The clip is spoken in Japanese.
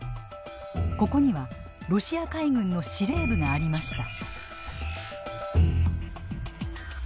ここにはロシア海軍の司令部がありました。